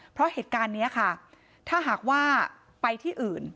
เพราะเหตุการณ์นี้ค่ะถ้าหากว่าไปที่อื่น